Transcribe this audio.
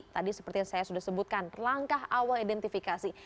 tadi seperti yang saya sudah sebutkan langkah awal identifikasi